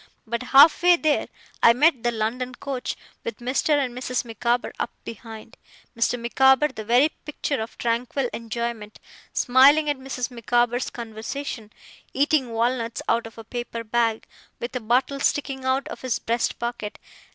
But, half way there, I met the London coach with Mr. and Mrs. Micawber up behind; Mr. Micawber, the very picture of tranquil enjoyment, smiling at Mrs. Micawber's conversation, eating walnuts out of a paper bag, with a bottle sticking out of his breast pocket.